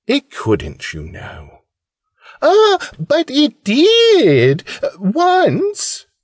"It couldn't, you know." "Ah, but it did, once!"